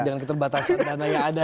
dengan keterbatasan dana yang ada